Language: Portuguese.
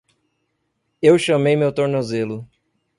Eu chamei meu tornozelo.